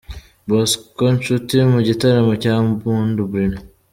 Bosco Nshuti mu gitaramo cya Mpundu Bruno.